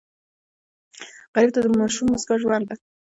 غریب ته د ماشوم موسکا ژوند دی